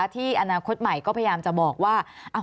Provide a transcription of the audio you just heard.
ที่อนาคตใหม่ก็พยายามจะบอกว่า